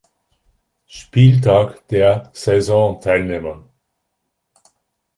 Spieltag der Saison teilnehmen.